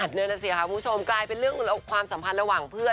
อ่ะเดินอาเซียครับผู้ชมกลายเป็นเรื่องความสัมพันธ์ระหว่างเพื่อน